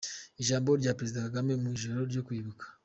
Ijambo rya Perezida Kagame mu ijoro ryo kwibuka.